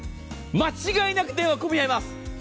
間違いなく電話、混み合います。